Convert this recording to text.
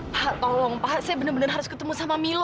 pak tolong pak saya benar benar harus ketemu sama milo